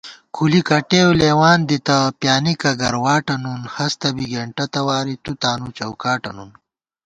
کُلی کٹېؤ لېوان دِتہ ، پِیانِکہ گرواٹہ نُن * ہستہ بی گېنٹہ تواری تُو تانُو چوکاٹہ نُن